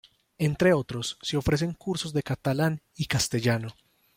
Entre otros, se ofrecen cursos de catalán y castellano.